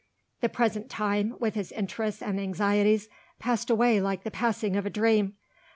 The present time, with its interests and anxieties, passed away like the passing of a dream.